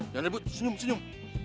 jangan ribut senyum senyum